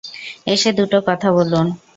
এসে দুটো কথা বলুন।